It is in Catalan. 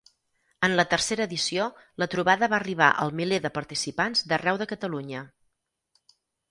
En la tercera edició la trobada va arribar al miler de participants d'arreu de Catalunya.